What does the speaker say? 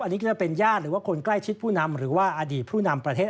อันนี้คิดว่าเป็นญาติหรือว่าคนใกล้ชิดผู้นำหรือว่าอดีตผู้นำประเทศ